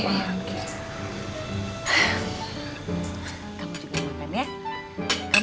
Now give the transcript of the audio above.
kamu juga makan ya